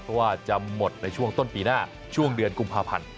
เพราะว่าจะหมดในช่วงต้นปีหน้าช่วงเดือนกุมภาพันธ์